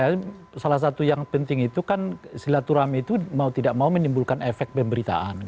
ya salah satu yang penting itu kan silaturahmi itu mau tidak mau menimbulkan efek pemberitaan